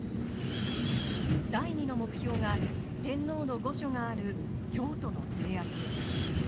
第２の目標が天皇の御所がある京都の制圧。